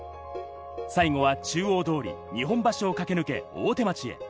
最後は中央通り、日本橋を駆け抜け大手町へ。